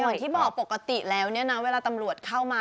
อย่างที่บอกปกติแล้วเนี่ยนะเวลาตำรวจเข้ามา